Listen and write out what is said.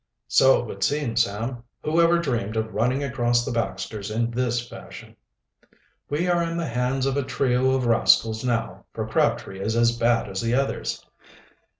"So it would seem, Sam. Who ever dreamed of running across the Baxters in this fashion?" "We are in the hands of a trio of rascals now, for Crabtree is as bad as the others."